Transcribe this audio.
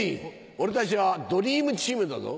俺たちはドリームチームだぞ。